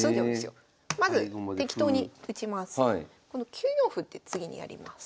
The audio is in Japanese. ９四歩って次にやります。